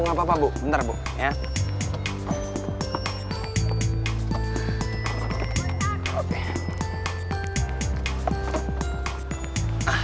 nggak apa apa bu bentar bu ya